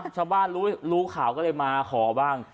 ชาวบ้านรู้ข่าวก็เลยมาขอบ้าง